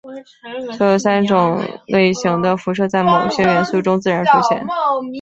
所有三种类型的辐射在某些元素中自然出现。